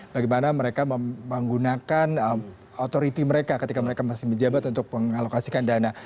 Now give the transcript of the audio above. bagaimana mereka menggunakan authority mereka ketika mereka masih menjabat untuk mengalokasikan dana